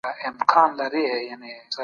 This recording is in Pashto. تاسو وویل چي تاریخ باید واقعیت غوره کړي.